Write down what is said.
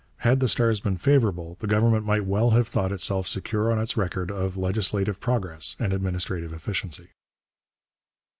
Had the stars been favourable, the Government might well have thought itself secure on its record of legislative progress and administrative efficiency.